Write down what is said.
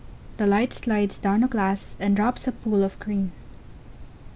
The light slides down the glass, and drops a pool of green.